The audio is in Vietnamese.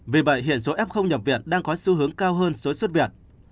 vì vậy hiện số f nhập viện đang có xu hướng cao hơn số xuất viện